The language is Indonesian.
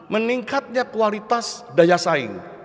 meningkatnya kualitas daya saing